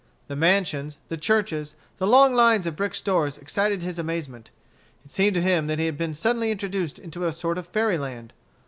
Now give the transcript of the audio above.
The mansions, the churches, the long lines of brick stores excited his amazement. It seemed to him that he had been suddenly introduced into a sort of fairy land.